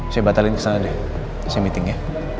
saya batalin kesana deh saya meeting ya